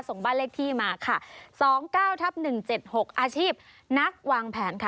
ส่งบ้านเลขที่มาค่ะ๒๙ทับ๑๗๖อาชีพนักวางแผนค่ะ